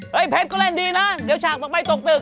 เฮ้ยเพชรก็เล่นดีนะเดี๋ยวฉากต่อไปตกตึก